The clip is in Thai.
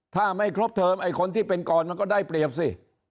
ถ้าไม่ครบเทอมไอ้คนที่เป็นก่อนมันก็ได้เปรียบสิ